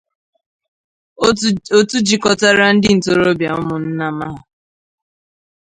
òtù jikọtara ndị ntorobịa Ụmụnnama